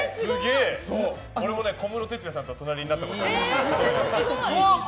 俺も小室哲哉さんと隣になったことある。